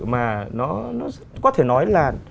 mà nó có thể nói là